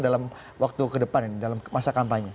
dalam waktu kedepan ini dalam masa kampanye